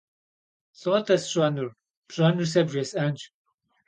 - ЛӀо-тӀэ сщӀэнур? - ПщӀэнур сэ бжесӀэнщ.